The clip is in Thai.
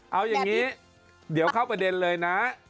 เอาอย่างนี้เดี๋ยวเข้าประเด็นเลยนะ